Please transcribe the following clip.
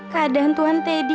keadaan tuhan teddy